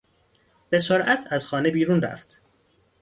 به سرعت از خانه بیرون رفت.